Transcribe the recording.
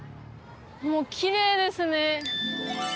もうきれいですね